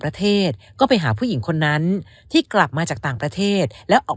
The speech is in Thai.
ประเทศก็ไปหาผู้หญิงคนนั้นที่กลับมาจากต่างประเทศแล้วออก